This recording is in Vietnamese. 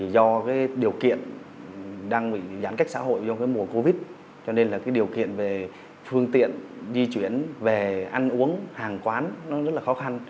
do điều kiện đang bị giãn cách xã hội trong mùa covid cho nên điều kiện về phương tiện di chuyển về ăn uống hàng quán rất là khó khăn